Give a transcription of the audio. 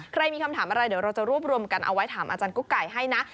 มีคำถามอะไรเดี๋ยวเราจะรวบรวมกันเอาไว้ถามอาจารย์กุ๊กไก่ให้นะ